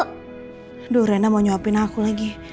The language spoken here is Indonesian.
aduh rena mau nyuapin aku lagi